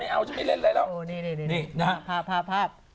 ไม่เอาจะไปเล่นเลยแล้วนี่ภาพ